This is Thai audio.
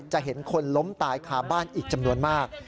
จะเห็นคนล้มตายคาบ้านอีกจำนวนมาก